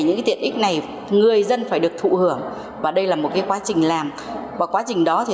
những tiện ích này người dân phải được thụ hưởng và đây là một quá trình làm và quá trình đó thì